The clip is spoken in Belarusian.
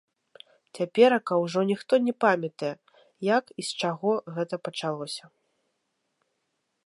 Цяперака ўжо ніхто не памятае, як і з чаго гэта пачалося.